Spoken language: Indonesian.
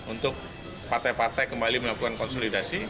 untuk partai partai kembali melakukan konsolidasi